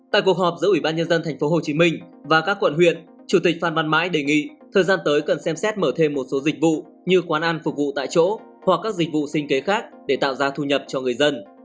tại cuộc họp giữa ủy ban nhân dân tp hcm và các quận huyện chủ tịch phan văn mãi đề nghị thời gian tới cần xem xét mở thêm một số dịch vụ như quán ăn phục vụ tại chỗ hoặc các dịch vụ sinh kế khác để tạo ra thu nhập cho người dân